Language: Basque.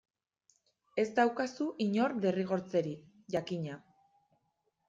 Ez daukazu inor derrigortzerik, jakina.